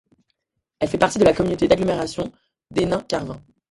Elle fait partie de la communauté d'agglomération d'Hénin-Carvin.